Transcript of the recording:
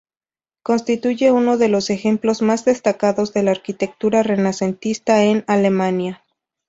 Constituye uno de los ejemplos más destacados de la arquitectura renacentista en Alemania.